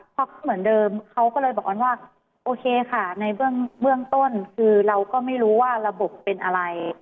เพราะเหมือนเดิมเขาก็เลยบอกออนว่าโอเคค่ะในเบื้องต้นคือเราก็ไม่รู้ว่าระบบเป็นอะไร